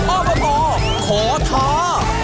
อบตขอท้า